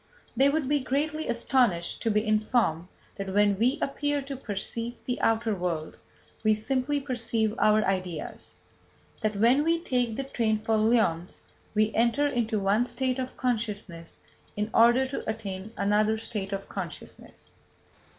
They would be greatly astonished to be informed that when we appear to perceive the outer world, we simply perceive our ideas; that when we take the train for Lyons we enter into one state of consciousness in order to attain another state of consciousness.